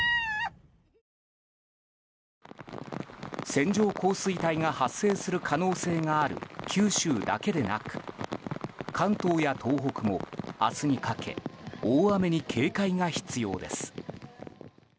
線状降水帯が発生する可能性がある九州だけでなく関東や東北も明日にかけ大雨に警戒が必要です。